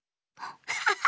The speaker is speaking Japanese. アハハハ。